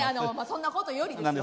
そんなことよりですよ